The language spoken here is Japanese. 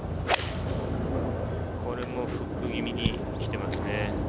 これもフック気味に来てますね。